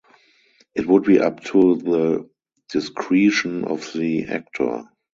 It would be up to the discretion of the actor.